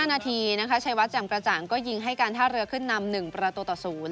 ๕นาทีนะคะชัยวัดแจ่มกระจ่างก็ยิงให้การท่าเรือขึ้นนำ๑ประตูต่อ๐